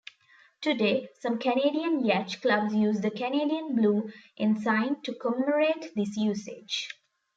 Today, some Canadian yacht clubs use the Canadian Blue Ensign to commemorate this usage.